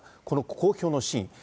この公表の真意。